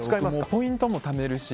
ポイントもためるし